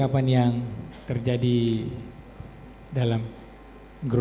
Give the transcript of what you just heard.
ada percakapan yang terjadi dalam grup itu